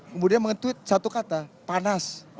kemudian menge tweet satu kata panas